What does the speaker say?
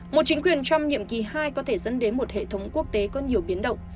một chính quyền trong nhiệm kỳ hai có thể dẫn đến một hệ thống quốc tế có nhiều biến động